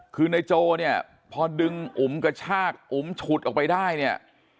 คือในโจเนี่ยพอดึงอุ๋มกระชากอุ๋มฉุดออกไปได้เนี่ย